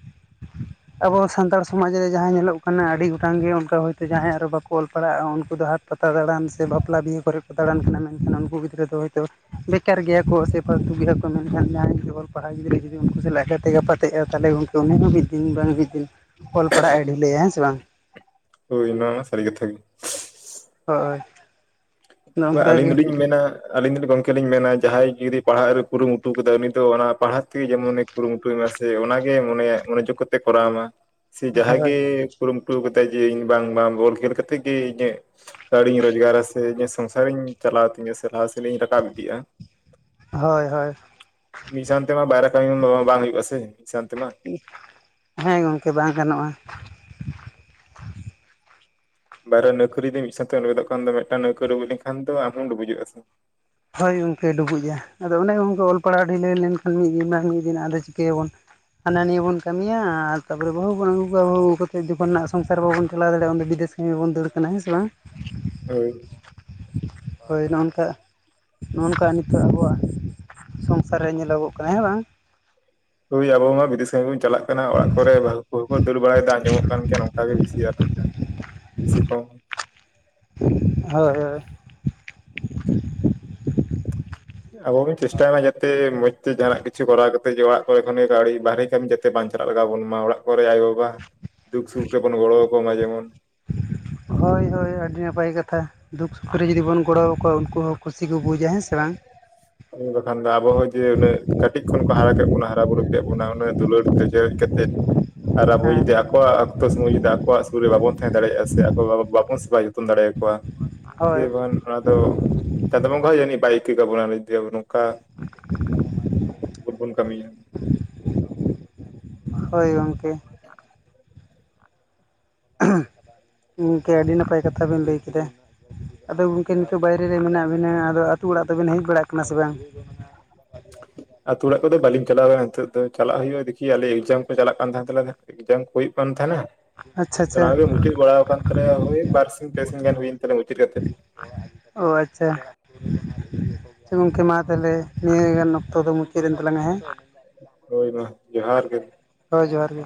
ᱟᱵᱚ ᱥᱟᱱᱛᱟᱲ ᱥᱚᱢᱟᱡ ᱨᱮ ᱡᱟᱦᱟᱸ ᱧᱮᱞᱚᱜ ᱠᱟᱱᱟ ᱟᱹᱰᱤ ᱜᱚᱴᱟᱝ ᱜᱮ ᱚᱱᱠᱟ ᱦᱳᱭᱛᱚ ᱡᱟᱦᱟᱸᱭ ᱟᱨᱚ ᱵᱟᱠᱚ ᱚᱞ ᱯᱟᱲᱦᱟᱜ-ᱟ ᱩᱱᱠᱩ ᱫᱚ ᱦᱟᱴ ᱯᱟᱛᱟ ᱫᱟᱬᱟᱱ ᱥᱮ ᱵᱟᱯᱞᱟ ᱵᱤᱦᱟᱹ ᱠᱚᱨᱮ ᱠᱚ ᱫᱟᱬᱟᱱ ᱠᱟᱱᱟ ᱢᱮᱱᱠᱷᱟᱱ ᱩᱱᱠᱩ ᱜᱤᱫᱽᱨᱟᱹ ᱫᱚ ᱦᱳᱭᱛᱚ ᱵᱮᱠᱟᱨ ᱜᱮᱭᱟ ᱠᱚ ᱥᱮ ᱯᱷᱟᱞᱛᱩ ᱜᱤᱭᱟ ᱠᱚ ᱢᱮᱱᱠᱷᱟᱱ ᱡᱟᱦᱟᱸᱭ ᱡᱩᱫᱤ ᱚᱞ ᱯᱟᱲᱦᱟᱣ ᱜᱤᱫᱽᱨᱟᱹ ᱡᱩᱫᱤ ᱩᱱᱠᱩ ᱥᱟᱞᱟᱜ ᱮ ᱜᱟᱛᱮ ᱜᱟᱯᱟᱛᱮᱜ-ᱟ ᱛᱟᱦᱚᱞᱮ ᱜᱚᱝ ᱛᱚ ᱩᱱᱤ ᱦᱚᱸ ᱢᱤᱫ ᱫᱤᱱ ᱵᱟᱝ ᱢᱤᱫ ᱫᱤᱱ ᱚᱞ ᱯᱟᱲᱦᱟᱜ ᱮ ᱰᱷᱤᱞᱟᱹᱭᱟ ᱦᱮᱸ ᱥᱮ ᱵᱟᱝ? ᱦᱳᱭ ᱚᱱᱟᱢᱟ ᱥᱟᱨᱤ ᱠᱟᱛᱷᱟ ᱜᱮ ᱾ ᱦᱳᱭ ᱾ ᱵᱟ ᱟᱹᱞᱤᱧ ᱫᱚᱞᱤᱧ ᱢᱮᱱᱟ ᱟᱹᱞᱤᱧ ᱫᱚ ᱜᱚᱝᱠᱮ ᱞᱤᱧ ᱢᱮᱱᱟ ᱡᱟᱦᱟᱸᱭ ᱡᱩᱫᱤ ᱯᱟᱲᱦᱟᱜ ᱨᱮ ᱠᱩᱨᱩᱢᱩᱴᱩ ᱠᱟᱫᱟᱭ ᱩᱱᱤ ᱫᱚ ᱚᱱᱟ ᱯᱟᱲᱦᱟᱜ ᱛᱮᱜᱮ ᱡᱮᱢᱚᱱ ᱠᱩᱨᱩᱢᱩᱴᱩᱭ ᱢᱟ ᱥᱮ ᱚᱱᱟᱜᱮ ᱢᱚᱱᱮ ᱡᱳᱜᱽ ᱠᱟᱛᱮ ᱠᱚᱨᱟᱣ ᱢᱟ ᱥᱮ ᱡᱟᱦᱟᱸᱜ ᱦᱳᱭ ᱜᱮ ᱠᱩᱨᱩᱢᱩᱴᱩ ᱠᱟᱛᱮᱫ ᱡᱮ ᱤᱧ ᱵᱟᱝᱢᱟ ᱵᱚᱞ ᱠᱷᱮᱞ ᱠᱟᱛᱮ ᱜᱮ ᱤᱧᱟᱹᱜ ᱠᱟᱹᱣᱰᱤᱧ ᱨᱚᱡᱽᱜᱟᱨᱟ ᱥᱮ ᱤᱧᱟᱹᱜ ᱥᱚᱝᱥᱟᱨᱤᱧ ᱪᱟᱞᱟᱣ ᱛᱤᱧᱟᱹ ᱥᱮ ᱞᱟᱦᱟ ᱥᱮᱱ ᱤᱧ ᱨᱟᱠᱟᱵ ᱤᱫᱤᱜ-ᱟ᱾ ᱦᱳᱭ ᱦᱳᱭ, ᱢᱤᱫ ᱥᱟᱶᱛᱮᱢᱟ ᱵᱟᱭᱨᱟ ᱠᱟᱹᱢᱤ ᱵᱟᱝ ᱦᱩᱭᱩᱜ-ᱟ ᱥᱮ ᱢᱤᱫ ᱥᱟᱶᱛᱮᱢᱟ᱾ ᱦᱮᱸ ᱜᱚᱝᱠᱮ ᱵᱟᱝ ᱜᱟᱱᱚᱜ-ᱟ᱾ ᱵᱟᱨᱭᱟ ᱱᱟᱹᱣᱠᱟᱹ ᱡᱩᱫᱤ ᱢᱤᱫ ᱥᱟᱣᱛᱮ ᱞᱮᱵᱮᱫᱚ ᱠᱷᱟᱱ ᱫᱚ ᱢᱤᱫᱴᱟᱝ ᱱᱟᱹᱣᱠᱟᱹ ᱰᱩᱵᱩᱡ ᱞᱮᱱ ᱠᱷᱟᱱ ᱫᱚ ᱟᱢᱦᱚᱢ ᱰᱩᱵᱩᱡᱚᱜ-ᱟ ᱛᱚ᱾ ᱦᱳᱭ ᱜᱚᱢᱠᱮ ᱰᱩᱵᱩᱡᱟ ᱟᱫᱚ ᱚᱱᱮ ᱚᱱᱠᱟ ᱚᱞ ᱯᱟᱲᱦᱟᱣ ᱰᱤᱞᱟᱹᱣ ᱞᱮᱱᱠᱷᱟᱱ ᱢᱤᱫ ᱫᱤᱱ ᱵᱟᱝ ᱢᱤᱫ ᱫᱤᱱ ᱟᱫᱚ ᱪᱤᱠᱟᱹᱭ ᱟᱵᱚᱱ, ᱦᱟᱱᱟ ᱱᱤᱭᱟᱹ ᱵᱚᱱ ᱠᱟᱹᱢᱤᱭᱟ ᱛᱟᱯᱚᱨᱮ ᱵᱟᱹᱦᱩ ᱵᱚᱱ ᱟᱹᱜᱩ ᱠᱚᱣᱟ, ᱵᱟᱦᱹᱩ ᱟᱹᱜᱩ ᱠᱟᱛᱮ ᱡᱚᱠᱷᱚᱱᱟᱜ ᱥᱚᱝᱥᱟᱨ ᱵᱟᱵᱚᱱ ᱪᱟᱞᱟᱣ ᱫᱟᱲᱮᱭᱟᱜ-ᱟ ᱩᱱᱫᱚ ᱵᱤᱫᱮᱥ [unintelligible] ᱜᱮ ᱵᱚᱱ ᱫᱟᱹᱲ ᱠᱟᱱᱟ ᱦᱮᱸ ᱥᱮ ᱵᱟᱝ ᱦᱳᱭ ᱦᱳᱭ ᱱᱚᱜ ᱱᱚᱝᱠᱟ ᱱᱚᱜ ᱱᱚᱝᱠᱟ ᱱᱤᱛᱚᱜ ᱟᱵᱚᱣᱟᱜ ᱥᱚᱝᱥᱟᱨ ᱨᱮ ᱧᱮᱞᱚᱜᱚᱜ ᱠᱟᱱᱟ ᱦᱮᱸ ᱵᱟᱝ᱾ ᱦᱳᱭ ᱟᱵᱚ ᱢᱟ ᱵᱤᱫᱮᱥ ᱠᱟᱹᱢᱤ ᱵᱚᱱ ᱪᱟᱞᱟᱜ ᱠᱟᱱᱟ ᱚᱲᱟᱜ ᱠᱚᱨᱮ ᱵᱟᱹᱦᱩ ᱠᱚᱠᱚ ᱫᱟᱹᱲ ᱵᱟᱲᱟᱭ ᱮᱫᱟ ᱟᱸᱡᱚᱢᱚᱜ ᱠᱟᱱ ᱜᱮᱭᱟ ᱱᱚᱝᱠᱟ ᱜᱮ ᱵᱤᱥᱤ ᱟᱨᱦᱚᱸ ᱵᱤᱥᱤ ᱠᱚ [inaudible] ᱦᱳᱭ ᱦᱳᱭ ᱟᱵᱚ ᱵᱚᱱ ᱪᱮᱥᱴᱟᱭ ᱢᱟ ᱡᱟᱛᱮ ᱢᱚᱸᱡᱽᱛᱮ ᱡᱟᱦᱟᱱᱟᱜ ᱠᱤᱪᱷᱩ ᱠᱚᱨᱟᱣ ᱠᱟᱛᱮ ᱡᱮ ᱚᱲᱟᱜ ᱠᱚᱨᱮ ᱠᱷᱚᱱ ᱜᱮ ᱠᱟᱹᱣᱰᱤ ᱵᱟᱦᱮᱨᱮ ᱠᱟᱹᱢᱤ ᱡᱟᱛᱮ ᱵᱟᱝ ᱪᱟᱞᱟᱜ ᱞᱟᱜᱟᱣ ᱟᱵᱚᱱ ᱢᱟ ᱚᱲᱟᱜ ᱠᱚᱨᱮ ᱟᱭᱳ ᱵᱟᱵᱟ ᱫᱩᱠ ᱥᱩᱠ ᱨᱮᱵᱚᱱ ᱜᱚᱲᱚ ᱟᱠᱚ ᱢᱟ ᱡᱮᱢᱚᱱ ᱦᱳᱭ ᱦᱳᱭ ᱟᱹᱰᱤ ᱱᱟᱯᱟᱭ ᱠᱟᱛᱷᱟ ᱫᱩᱠ ᱥᱩᱠ ᱨᱮ ᱡᱩᱫᱤ ᱵᱚᱱ ᱜᱚᱲᱚ ᱟᱠᱚᱣᱟ ᱩᱱᱠᱩ ᱦᱚᱸ ᱠᱩᱥᱤ ᱠᱚ ᱵᱩᱡᱟ ᱦᱮᱸᱥᱮ᱾ ᱥᱮ ᱵᱟᱝ ᱩᱱ ᱵᱟᱠᱷᱟᱱ ᱫᱚ ᱟᱵᱚ ᱦᱚᱸ ᱡᱮ ᱩᱱᱟᱹᱜ ᱠᱟᱹᱴᱤᱡ ᱠᱷᱚᱱ ᱠᱚ ᱦᱟᱨᱟ ᱠᱮᱫ ᱵᱚᱱᱟ ᱦᱟᱨᱟ-ᱵᱩᱨᱩ ᱠᱮᱫ ᱵᱚᱱᱟ ᱩᱱᱟᱹᱜ ᱫᱩᱞᱟᱹᱲ ᱛᱮ ᱪᱮᱨᱮᱡ ᱠᱟᱛᱮᱫ ᱟᱨ ᱟᱵᱚ ᱦᱮᱸ ᱡᱩᱫᱤ ᱟᱠᱚᱣᱟᱜ ᱚᱠᱛᱚ ᱥᱚᱢᱚᱭ ᱡᱩᱫᱤ ᱟᱠᱚᱣᱟᱜ ᱥᱩᱨ ᱨᱮ ᱵᱟᱵᱚᱱ ᱛᱟᱦᱮᱸ ᱫᱟᱲᱮᱭᱟᱜ-ᱟ ᱥᱮ ᱟᱠᱚ ᱵᱟᱵᱚᱱ ᱥᱮᱵᱟ ᱡᱚᱛᱚᱱ ᱫᱟᱲᱮᱭᱟᱠᱚᱣᱟ [inaudible] ᱥᱮ ᱦᱳᱭ ᱵᱟᱠᱷᱟᱱ ᱚᱱᱟ ᱫᱚ [inaudible] ᱪᱟᱸᱫᱳ ᱵᱚᱸᱜᱟ ᱦᱚ ᱡᱟᱹᱱᱤᱡ ᱵᱟᱭ ᱤᱠᱹᱟ ᱠᱟᱵᱚᱱᱟ ᱢᱮᱱᱛᱮ ᱡᱮ ᱟᱵᱚ ᱱᱚᱝᱠᱟ [inaudible] [unintelligible] ᱵᱚᱱ ᱠᱟᱹᱢᱤᱭᱟ᱾ ᱦᱳᱭ ᱜᱚᱢᱠᱮ᱾ [inaudible] ᱜᱚᱢᱠᱮ ᱟᱹᱰᱤ ᱱᱟᱯᱟᱭ ᱠᱟᱛᱷᱟ ᱵᱮᱱ ᱞᱟᱹᱭ ᱠᱮᱫᱟ᱾ ᱟᱫᱚ ᱜᱚᱢᱠᱮ ᱱᱤᱛᱚᱜ ᱵᱟᱭᱨᱮ ᱨᱮ ᱢᱮᱱᱟᱜ ᱵᱤᱱᱟ ᱟᱫᱚ ᱟᱹᱛᱩ ᱚᱲᱟᱜ ᱫᱚᱵᱮᱱ ᱦᱮᱡ ᱵᱟᱲᱟᱜ ᱠᱟᱱᱟ ᱥᱮ ᱵᱟᱝ? ᱟᱹᱛᱩ ᱚᱲᱟᱜ ᱠᱚᱫᱚ ᱵᱟᱹᱞᱤᱧ ᱪᱟᱞᱟᱣ ᱟᱠᱟᱱᱟ ᱱᱤᱛᱚᱜ ᱫᱚ ᱪᱟᱞᱟᱜ ᱦᱩᱭᱩᱜ-ᱟ, ᱫᱤᱠᱷᱤ ᱟᱞᱮ ᱮᱠᱡᱟᱢ ᱠᱚ ᱪᱟᱞᱟᱜ ᱠᱟᱱ ᱛᱟᱦᱮᱸ ᱛᱟᱞᱮᱭᱟ ᱮᱠᱡᱟᱢ ᱠᱚ ᱦᱩᱭᱩᱜ ᱠᱟᱱ ᱛᱟᱦᱮᱱᱟ᱾ ᱟᱪᱪᱷᱟ ᱟᱪᱪᱷᱟ ᱱᱚᱶᱟ ᱠᱚᱜᱮ ᱢᱩᱪᱟᱹᱫ ᱵᱟᱲᱟ ᱠᱟᱱ ᱛᱟᱞᱮᱭᱟ ᱵᱟᱨᱥᱤᱧ ᱯᱮ ᱥᱤᱧ ᱜᱟᱱ ᱦᱩᱭᱮᱱ ᱛᱟᱞᱮᱭᱟ ᱢᱩᱪᱟᱹᱫ ᱠᱟᱛᱮ᱾ ᱚᱻ ᱟᱪᱪᱷᱟ ᱜᱚᱝᱠᱮ ᱢᱟ ᱛᱟᱦᱞᱮ ᱱᱤᱭᱟᱹᱜᱟᱱ ᱚᱠᱛᱚ ᱫᱚ ᱢᱩᱪᱟᱹᱫ ᱮᱱ ᱛᱟᱞᱟᱝ-ᱟ ᱦᱮᱸ ᱦᱳᱭ ᱢᱟ ᱡᱚᱦᱟᱨ ᱜᱮ᱾ ᱦᱳᱭ ᱡᱚᱦᱟᱨ ᱜᱮ᱾